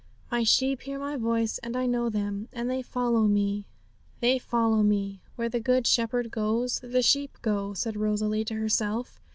'"My sheep hear My voice, and I know them, and they follow Me." "They follow Me." Where the Good Shepherd goes the sheep go,' said Rosalie to herself.